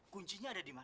kuncinya ada di mana